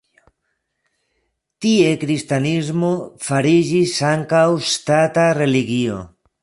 Tie kristanismo fariĝis ankaŭ ŝtata religio.